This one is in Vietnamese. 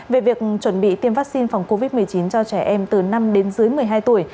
về việc chuẩn bị tiêm vaccine phòng covid một mươi chín cho trẻ em từ năm đến dưới một mươi hai tuổi